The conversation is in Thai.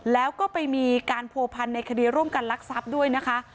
แล้วก็ไปมีการโผพันในคดีร่วมกันลักษัพด้วยนะคะ